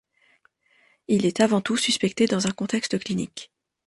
Il est avant tout suspecté dans un contexte clinique.